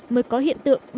mới có hiện tượng